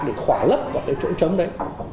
để khỏa lấp vào cái chỗ trống đấy